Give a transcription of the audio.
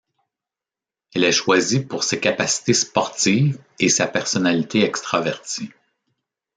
Elle est choisie pour ses capacités sportives et sa personnalité extravertie.